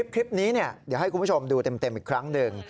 คลิปนี้เดี๋ยวให้คุณผู้ชมดูเต็มอีกครั้งหนึ่ง